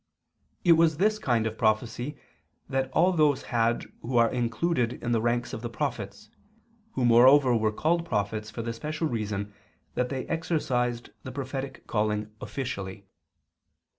It was this kind of prophecy that all those had who are included in the ranks of the prophets, who moreover were called prophets for the special reason that they exercised the prophetic calling officially.